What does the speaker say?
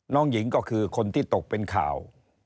น้องหญิงก็คือคนที่ตกเป็นข่าว